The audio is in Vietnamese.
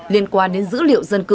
liên quan đến dữ liệu dân cư